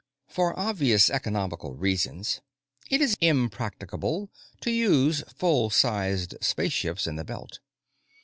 For obvious economical reasons, it it impracticable to use full sized spaceships in the Belt.